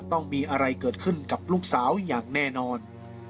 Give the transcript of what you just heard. ต้องมีอะไรเกิดขึ้นกับลูกสาวอย่างแน่นอน